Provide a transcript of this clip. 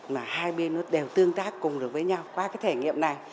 mà hai bên nó đều tương tác cùng được với nhau qua cái thể nghiệm này